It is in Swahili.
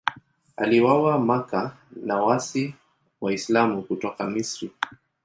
Aliuawa Makka na waasi Waislamu kutoka Misri.